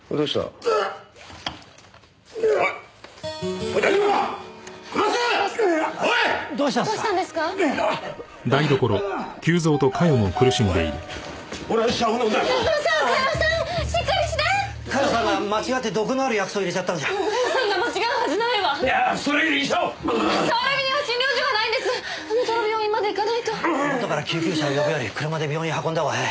ふもとから救急車を呼ぶより車で病院に運んだ方が早い。